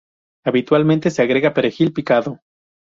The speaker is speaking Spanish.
Habitualmente se agrega perejil picado.